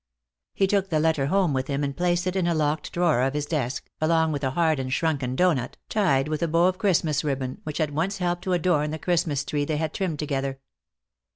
He took the letter home with him and placed it in a locked drawer of his desk, along with a hard and shrunken doughnut, tied with a bow of Christmas ribbon, which had once helped to adorn the Christmas tree they had trimmed together.